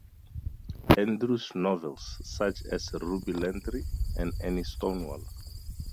Andrews novels, such as Ruby Landry and Annie Stonewall.